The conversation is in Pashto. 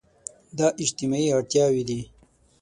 دا اجتماعي اړتياوې دي.